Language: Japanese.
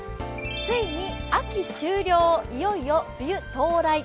ついに秋終了、いよいよ冬到来。